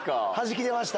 はじきでました。